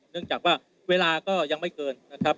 เนื่องจากว่าเวลาก็ยังไม่เกินนะครับ